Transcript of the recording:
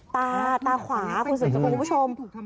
ตาตาขวาคุณสุดสกุลคุณผู้ชม